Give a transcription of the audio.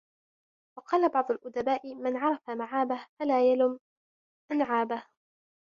وَقَالَ بَعْضُ الْأُدَبَاءِ مَنْ عَرَفَ مَعَابَهُ فَلَا يَلُمْ مَنْ عَابَهُ